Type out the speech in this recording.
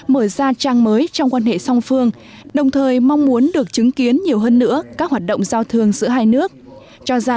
mở ra trang mới trong quan hệ song phương đồng thời mong muốn được chứng kiến nhiều hơn nữa các hoạt động giao thương giữa hai nước